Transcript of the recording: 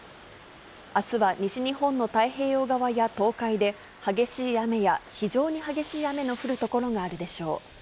あすは西日本の太平洋側や東海で、激しい雨や、非常に激しい雨の降る所があるでしょう。